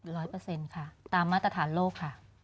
ร้อยเปอร์เซ็นต์ค่ะตามมาตรฐานโลกค่ะ